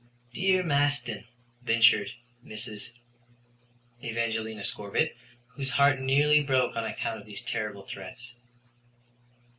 "Dear Maston," ventured Mrs. Evangelina Scorbitt, whose heart nearly broke on account of these terrible threats.